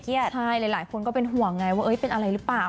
เครียดใช่หลายหลายคนก็เป็นห่วงไงว่าเอ้ยเป็นอะไรหรือเปล่า